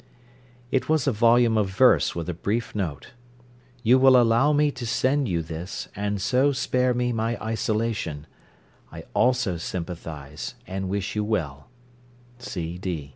It was a volume of verse with a brief note: "You will allow me to send you this, and so spare me my isolation. I also sympathise and wish you well.